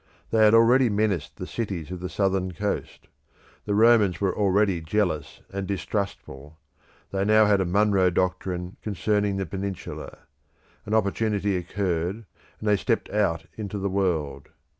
They had already menaced the cities of the southern coast; the Romans were already jealous and distrustful; they had now a Monroe doctrine concerning the peninsula: an opportunity occurred, and they stepped out into the world.